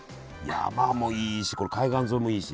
山もいいしこの海岸沿いもいいし。